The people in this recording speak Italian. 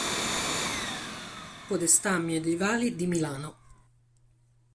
Podestà medievali di Milano